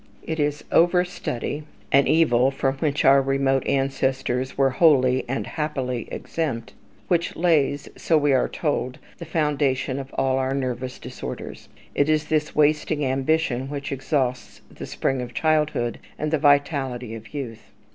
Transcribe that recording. It is over study (an evil from which our remote ancestors were wholly and happily exempt) which lays, so we are told, the foundation of all our nervous disorders. It is this wasting ambition which exhausts the spring of childhood and the vitality of youth.